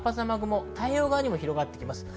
太平洋側にも広がります。